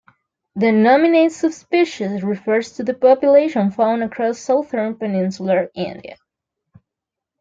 The nominate subspecies refers to the population found across southern Peninsular India.